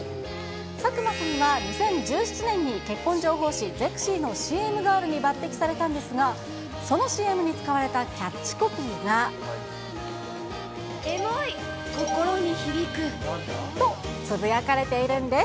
佐久間さんは２０１７年に結婚情報誌、ゼクシィのＣＭガールに起用されたんですが、そのＣＭに使われたエモい！と、つぶやかれているんです。